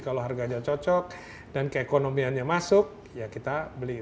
kalau harganya cocok dan keekonomiannya masuk ya kita beli